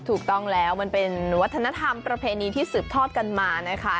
ถูกต้องแล้วมันเป็นวัฒนธรรมประเพณีที่สืบทอดกันมานะคะ